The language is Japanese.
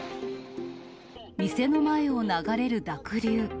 店の前を流れる濁流。